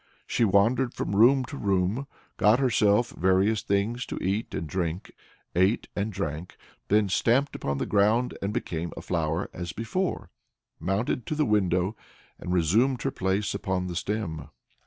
She wandered from room to room, got herself various things to eat and drink, ate and drank, then stamped upon the ground and became a flower as before, mounted to the window, and resumed her place upon the stem.